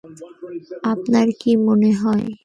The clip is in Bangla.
আপনার কি মনে হয়?